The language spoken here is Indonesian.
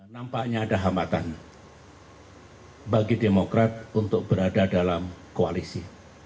nampaknya ada hambatan bagi demokrat untuk berada dalam koalisi